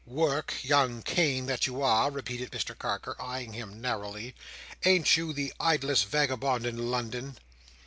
"Work, young Cain that you are!" repeated Mr Carker, eyeing him narrowly. "Ain't you the idlest vagabond in London?"